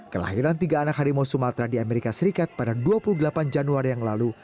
kelahiran tiga anak harimau sumatera di amerika serikat pada dua puluh delapan januari yang lalu